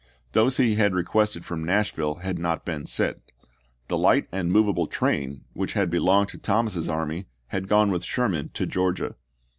Those he had requested from Nashville had not been sent ; the light and movable train which had belonged to Thomas's army had gone with Sherman to Georgia.